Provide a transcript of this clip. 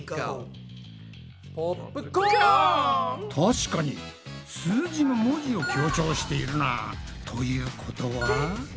確かに数字の文字を強調しているな。ということは？